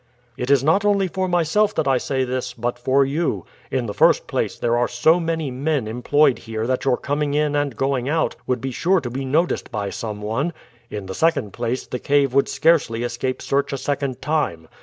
"It is not only for myself that I say this, but for you. In the first place, there are so many men employed here that your coming in and going out would be sure to be noticed by some one; in the second place, the cave would scarcely escape search a second time.